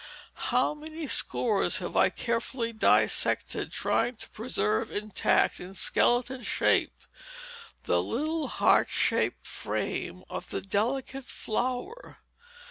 How many scores have I carefully dissected, trying to preserve intact in skeleton shape the little heart shaped "frame" of the delicate flower!